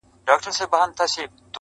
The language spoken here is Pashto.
مناجات-